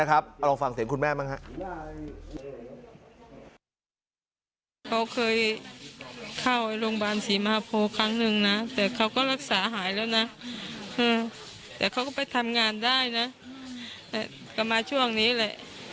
เอาลองฟังเสียงคุณแม่บ้างฮะ